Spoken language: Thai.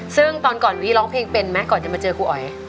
ซึ่งตอนก่อนวีร้องเพลงเป็นไหมก่อนจะมาเจอครูอ๋อย